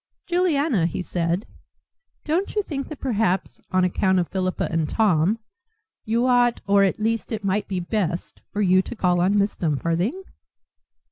"Juliana," he said, "don't you think that perhaps, on account of Philippa and Tom, you ought or at least it might be best for you to call on Miss Dumfarthing?"